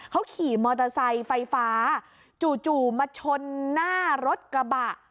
เขาขี่มอเตอร์ไซค์ไฟฟ้าจู่มาชนหน้ารถกระบะ